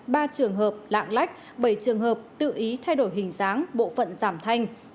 ba trường hợp lạng lách bảy trường hợp tự ý thay đổi hình dáng bộ phận giảm thanh